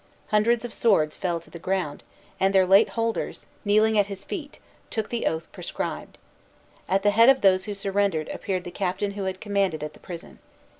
Hundreds of swords fell to the ground; and their late holders, kneeling at his feet, took the oath perscribed. At the head of those who surrendered appeared the captain who had commanded at the prison.